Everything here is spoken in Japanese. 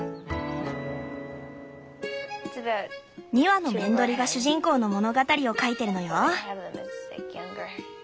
２羽のめんどりが主人公の物語を書いてるのよ。